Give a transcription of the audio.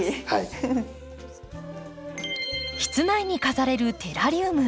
室内に飾れるテラリウム。